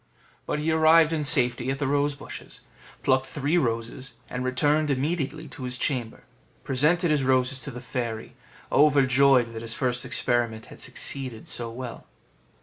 But he arrived in safety at the rose bushes, plucked three roses, and returned immediately to his chamber; presented his roses to the fairy, overjoyed that his first experiment had succeeded so well.